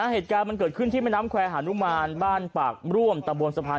เหตุการณ์มันเกิดขึ้นที่แม่น้ำแควร์หานุมานบ้านปากร่วมตะบนสะพาน